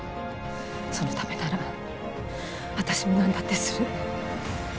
そのためなら私も何だってする。